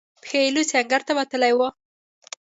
پښې لوڅې انګړ ته وتلې وه.